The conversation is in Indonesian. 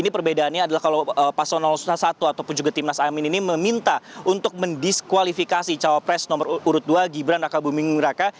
ini perbedaannya adalah kalau paslon satu ataupun juga timnas amin ini meminta untuk mendiskualifikasi cawapres nomor urut dua gibran raka buming raka